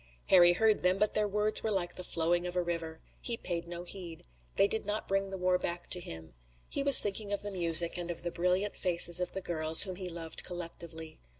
Harry heard them, but their words were like the flowing of a river. He paid no heed. They did not bring the war back to him. He was thinking of the music and of the brilliant faces of the girls whom he loved collectively.